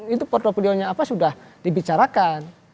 itu portfolio nya apa sudah dibicarakan